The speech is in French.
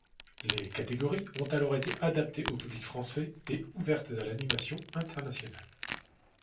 Les catégories ont alors été adaptées au public français et ouvertes à l’animation internationale.